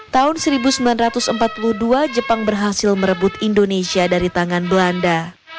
tahun seribu sembilan ratus empat puluh dua jepang berhasil merebut indonesia dari tangan belanda